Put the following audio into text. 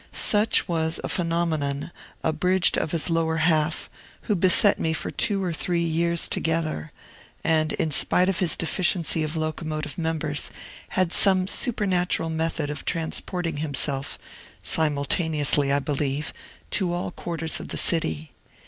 Such was a phenomenon abridged of his lower half, who beset me for two or three years together, and, in spite of his deficiency of locomotive members, had some supernatural method of transporting himself (simultaneously, I believe) to all quarters of the city.